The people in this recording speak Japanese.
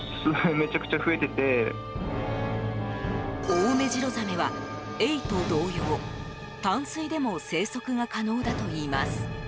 オオメジロザメはエイと同様、淡水でも生息が可能だといいます。